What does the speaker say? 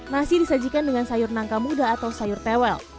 nasi disajikan dengan sayur nangka muda atau sayur tewel